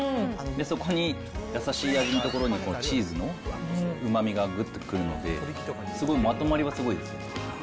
そこに優しい味のところに、このチーズのうまみがぐっとくるので、すごいまとまりはすごいです。